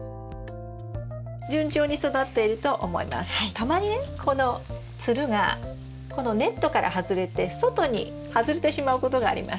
たまにねこのつるがこのネットから外れて外に外れてしまうことがあります。